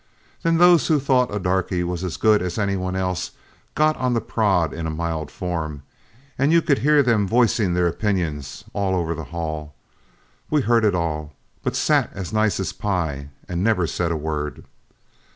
Then those who thought a darky was as good as any one else got on the prod in a mild form, and you could hear them voicing their opinions all over the hall. We heard it all, but sat as nice as pie and never said a word.